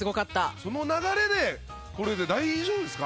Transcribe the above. その流れでこれで大丈夫ですか？